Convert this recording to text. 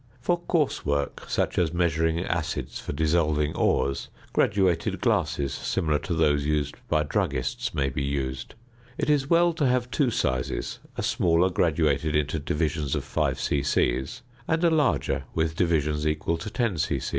~ For coarse work, such as measuring acids for dissolving ores, graduated glasses similar to those used by druggists may be used. It is well to have two sizes a smaller graduated into divisions of 5 c.c. (fig. 26), and a larger with divisions equal to 10 c.c.